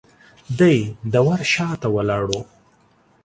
دی د ور شاته ولاړ و.